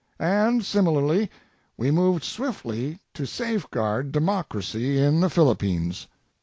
And similarly, we moved swiftly to safeguard democracy in the Philippines.